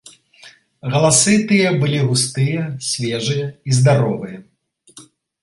Галасы тыя былі густыя, свежыя і здаровыя.